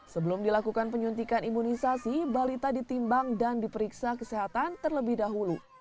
sebelum dilakukan penyuntikan imunisasi balita ditimbang dan diperiksa kesehatan terlebih dahulu